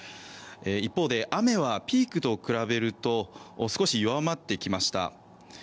一方で雨はピークと比べると少し弱まってきました。